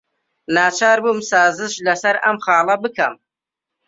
ناچار بووم سازش لەسەر ئەم خاڵە بکەم.